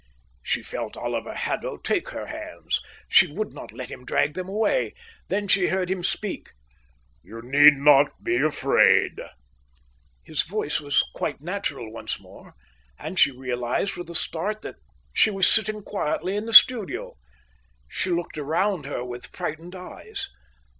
She felt Oliver Haddo take her hands. She would not let him drag them away. Then she heard him speak. "You need not be afraid." His voice was quite natural once more, and she realized with a start that she was sitting quietly in the studio. She looked around her with frightened eyes.